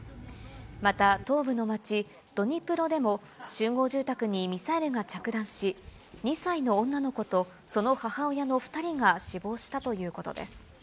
また東部の町ドニプロでも集合住宅にミサイルが着弾し、２歳の女の子とその母親の２人が死亡したということです。